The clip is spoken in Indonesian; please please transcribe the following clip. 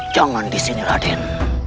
jangan disini raden